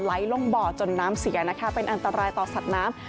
ลงบ่อจนน้ำเสียนะคะเป็นอันตรายต่อสัตว์น้ำ